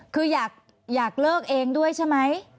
คืออยากเลิกเองด้วยใช่ไหม